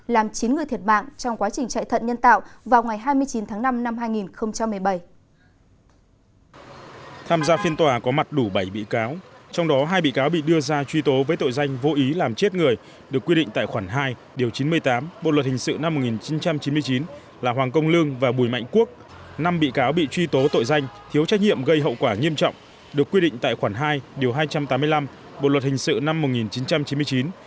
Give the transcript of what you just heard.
làm chín người thiệt mạng trong quá trình chạy thận nhân tạo vào ngày hai mươi chín tháng năm năm hai nghìn một mươi bảy